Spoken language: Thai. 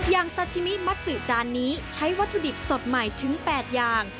ซาชิมิซือจานนี้ใช้วัตถุดิบสดใหม่ถึง๘อย่าง